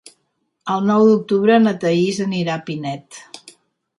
El nou d'octubre na Thaís anirà a Pinet.